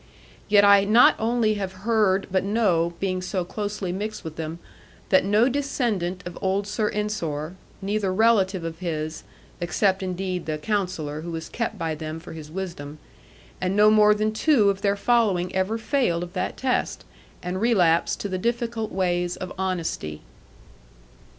Yet I not only have heard but know, being so closely mixed with them, that no descendant of old Sir Ensor, neither relative of his (except, indeed, the Counsellor, who was kept by them for his wisdom), and no more than two of their following ever failed of that test, and relapsed to the difficult ways of honesty.